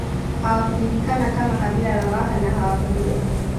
Hawakujulikana kama kabila la Waha na hawakuja